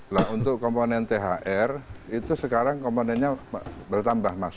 nah untuk komponen thr itu sekarang komponennya bertambah mas